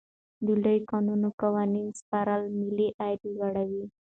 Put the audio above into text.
د لویو کانونو قانوني سپارل ملي عاید لوړوي.